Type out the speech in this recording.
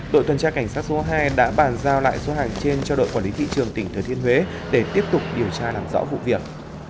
đội tuần tra cảnh sát số hai đã bàn giao lại số hàng trên cho đội quản lý thị trường tỉnh thừa thiên huế để tiếp tục điều tra làm rõ vụ việc